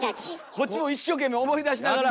こっちも一生懸命思い出しながら。